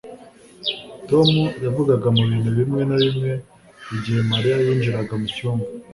tom yavugaga mu bintu bimwe na bimwe igihe mariya yinjiraga mu cyumba